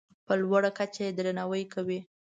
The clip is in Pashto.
په لوړه کچه یې درناوی کوي.